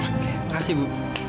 terima kasih bu